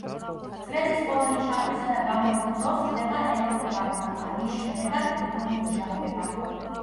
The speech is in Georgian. წრედის ყოველი ჩართვისა და გამორთვის დროს ხდება ელექტრო განმუხტვა, რის შედეგად ლითონი იჟანგება.